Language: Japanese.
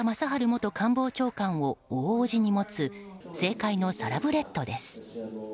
元官房長官を大叔父に持つ政界のサラブレッドです。